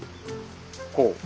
こう。